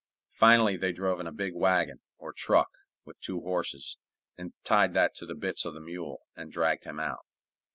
Finally, they drove in a big wagon, or truck, with two horses, and tied that to the bits of the mule, and dragged him out.